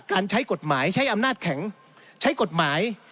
ใช้กฎหมายใช้อำนาจแข็งใช้กฎหมาย